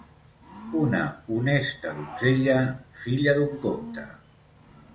Una honesta donzella, filla d'un comte.